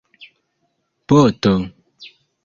boto